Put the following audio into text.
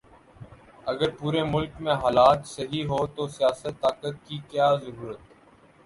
اگر پورے ملک میں حالات صحیح ھوں تو سیاست، طاقت، کی کیا ضرورت